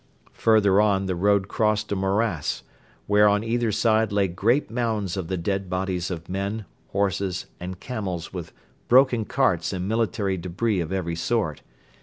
Further on the road crossed a morass, where on either side lay great mounds of the dead bodies of men, horses and camels with broken carts and military debris of every sort.